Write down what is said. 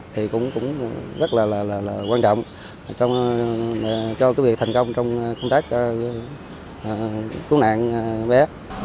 thì cũng rất là quan trọng cho cái việc thành công trong công tác cứu nạn bé